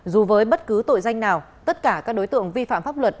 dù với bất cứ tội danh nào tất cả các đối tượng vi phạm pháp luật